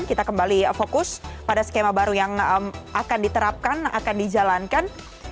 kita kembali fokus pada skema baru yang akan diterapkan akan dijalankan